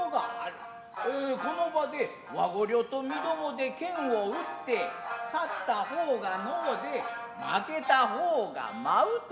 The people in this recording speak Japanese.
この場で和御寮と身共で拳を打って勝った方が呑うで負けた方が舞うとしょう。